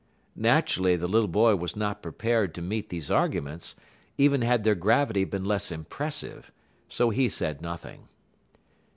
Naturally, the little boy was not prepared to meet these arguments, even had their gravity been less impressive, so he said nothing.